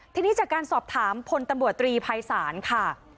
ทีนี้จากการสอบถามพลตำรวจตรีภัยศาลค่ะ